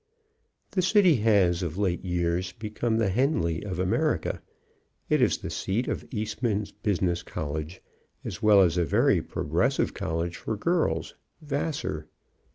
The city has of late years become the Henley of America. It is the seat of Eastman's business college, as well as a very progressive college for girls Vassar.